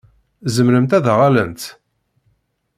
Zemrent ad aɣ-allent?